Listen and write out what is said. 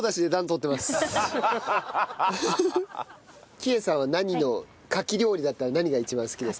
喜江さんはカキ料理だったら何が一番好きですか？